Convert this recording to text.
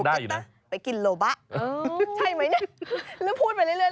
เราก็พูดไปเรื่อย